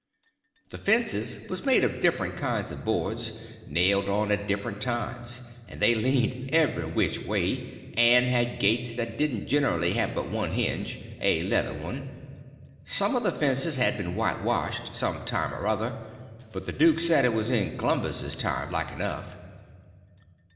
The fences was made of different kinds of boards, nailed on at different times; and they leaned every which way, and had gates that didn't generly have but one hinge—a leather one. Some of the fences had been whitewashed, some time or another, but the duke said it was in Clumbus's time, like enough.